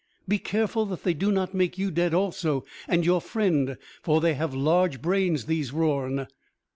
Be careful that they do not make you dead also, and your friend, for they have large brains, these Rorn."